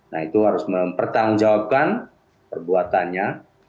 nah itu harus mempertanggungjawabkan perbuatannya